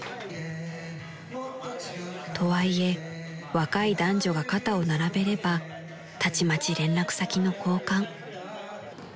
［とはいえ若い男女が肩を並べればたちまち連絡先の交換］